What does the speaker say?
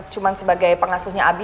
cuman sebagai pengasuhnya abi